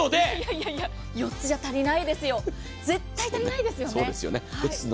いやいや、４つじゃ足りないですよ、絶対足りないですよね。